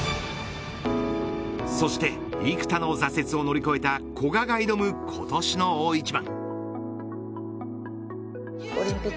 そして幾多の挫折を乗り越えた古賀が挑む今年の大一番。